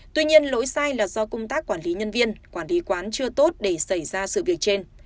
tuy nhiên lỗi sai là do công tác quản lý nhân viên quản lý quán chưa tốt để xảy ra sự việc trên